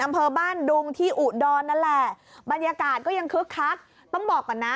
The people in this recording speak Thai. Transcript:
อำเภอบ้านดุงที่อุดรนั่นแหละบรรยากาศก็ยังคึกคักต้องบอกก่อนนะ